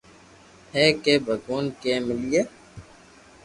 ھي ڪي ڀگوان ڪي ملئي